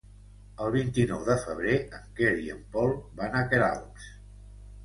El vint-i-nou de febrer en Quer i en Pol van a Queralbs.